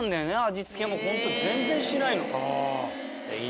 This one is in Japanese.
味付けもほんと全然しないの。